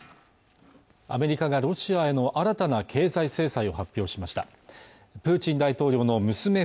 アメリカがロシアへの新たな経済制裁を発表しましたプーチン大統領の娘